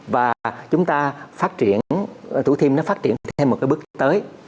và chúng ta phát triển thủ thiêm nó phát triển thêm một cái bước tới